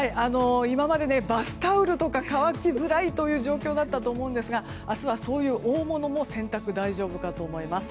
今まで、バスタオルとか乾きづらい状況だったと思いますが明日はそういう大物の洗濯も大丈夫かと思います。